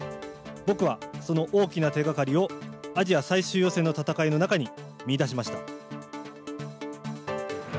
僕はその大きな手がかりをアジア最終予選の戦いの中に見いだしました。